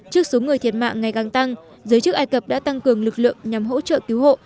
trước số người thiệt mạng ngày càng tăng giới chức ai cập đã tăng cường lực lượng nhằm hỗ trợ cứu hộ